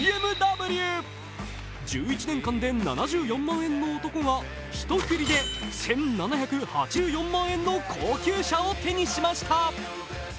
１１年間で７４万円の男が一振りで１７８４万円の高級車を手にしました。